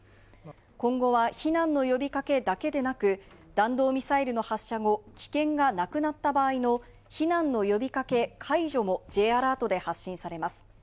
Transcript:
今後は避難の呼びかけだけでなく、弾道ミサイルの発射後、危険がなくなった場合の避難の呼びかけ解除もＪアラートで発信されます。